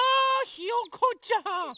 ひよこちゃん！